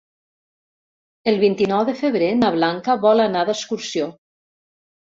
El vint-i-nou de febrer na Blanca vol anar d'excursió.